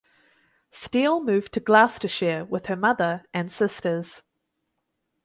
Steele moved to Gloucestershire with her mother and sisters.